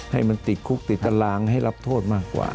ให้มันติดคุกติดตารางให้รับโทษมากกว่า